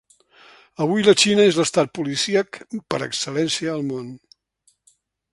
Avui la Xina és l’estat policíac per excel·lència al món.